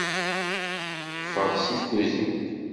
Ffeɣ seg tkuzint!